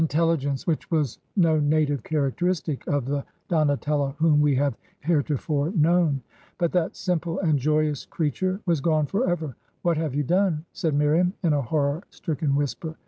X 1 HAWTHORNE'S MIRIAM AND HILDA ligence which was no native characteristic of the Dona tello whom we have heretofore known. But that simple and joyous creature was gone forever. 'What have I you done?' said Miriam, in a horror stricken whisper.